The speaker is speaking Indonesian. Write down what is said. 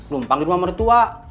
lumpang di rumah mertua